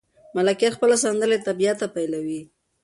ملکیار خپله سندره له طبیعته پیلوي.